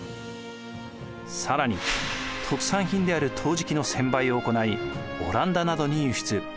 更に特産品である陶磁器の専売を行いオランダなどに輸出。